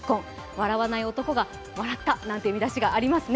笑わない男が笑った、なんて見出しがありますね。